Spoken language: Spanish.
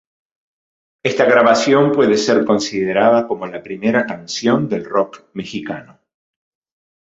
Esta grabación puede ser considerada como la primera canción del Rock Mexicano.